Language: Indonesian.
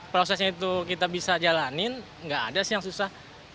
prosesnya itu kita bisa jalanin nggak ada sih yang susah